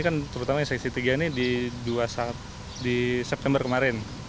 kan terutama seksi tiga ini di dua saat di september kemarin